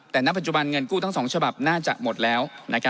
แต่ณปัจจุบันเงินกู้ทั้ง๒ฉบับน่าจะหมดแล้ว